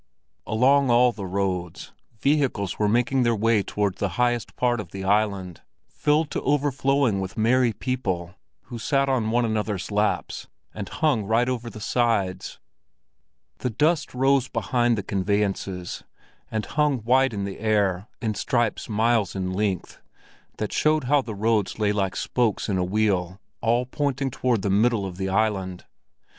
Along all the roads, vehicles were making their way toward the highest part of the island, filled to overflowing with merry people, who sat on one another's laps and hung right over the sides. The dust rose behind the conveyances and hung white in the air in stripes miles in length, that showed how the roads lay like spokes in a wheel all pointing toward the middle of the island.